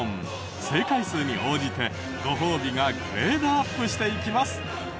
正解数に応じてご褒美がグレードアップしていきます！